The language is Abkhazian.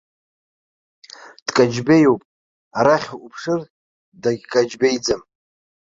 Дкаҷбеиуп, арахь, уԥшыр, дагькаҷбеиӡам.